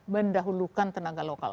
mendahulukan tenaga lokal